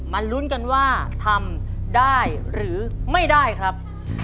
ลุ้นกันว่าทำได้หรือไม่ได้ครับ